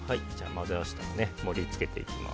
混ぜ合わせたら盛り付けていきます。